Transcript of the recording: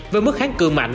với mức kháng cư mạnh